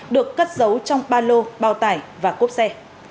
được cất giấu trong ba lô bao tải và cốp xe